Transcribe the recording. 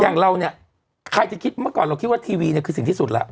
อย่างเราเนี่ยใครจะคิดเมื่อก่อนเราคิดว่าทีวีเนี่ยคือสิ่งที่สุดแล้ว